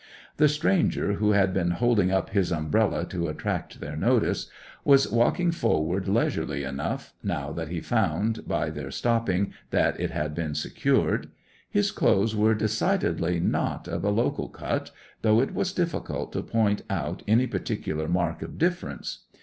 The stranger, who had been holding up his umbrella to attract their notice, was walking forward leisurely enough, now that he found, by their stopping, that it had been secured. His clothes were decidedly not of a local cut, though it was difficult to point out any particular mark of difference.